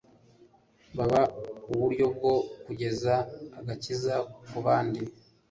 baba uburyo bwo kugeza agakiza ku bandi.